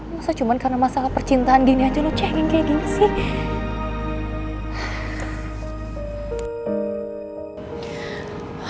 masa cuma karena masalah percintaan gini aja lu cek yang kayak gini sih